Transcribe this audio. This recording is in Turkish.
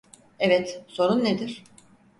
Evet, sorun nedir?